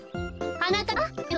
はなかっぱ